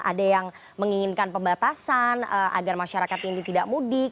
ada yang menginginkan pembatasan agar masyarakat ini tidak mudik